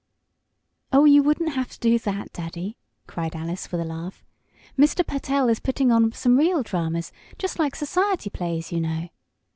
"Oh, you wouldn't have to do that, Daddy!" cried Alice, with a laugh. "Mr Pertell is putting on some real dramas just like society plays, you know.